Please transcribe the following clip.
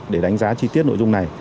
để đánh giá chi tiết nội dung này